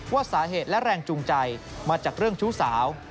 ว่าสาเหตุและแรงจูงใจมาจากเรื่องชู้สาว